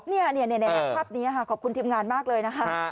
นี่ภาพนี้ค่ะขอบคุณทีมงานมากเลยนะคะ